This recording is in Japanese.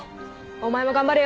お前も頑張れよ。